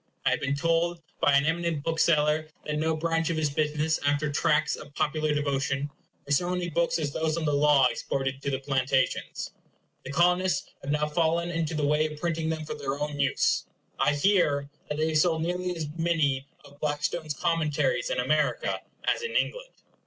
I have been told by an eminent bookseller, that in no branch of his business, after tracts of popular devotion, were so many books as those on the law exported to the Plantations. The Colonists have now fallen into the way of printing them for their own use. I hear that they have sold nearly as many of Blackstone's Commentaries in America as in England.